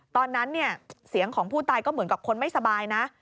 ตอนนั้นเนี่ยเสียงของผู้ตายก็เหมือนกับคนไม่สบายนะ